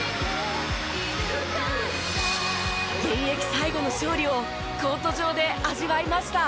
現役最後の勝利をコート上で味わいました。